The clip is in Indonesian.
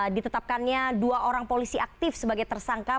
ditetapkannya dua orang polisi aktif sebagai tersangka